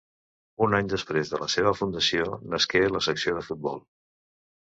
Un any després de la seva fundació nasqué la secció de futbol.